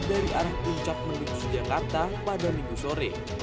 dari arah puncak menuju jakarta pada minggu sore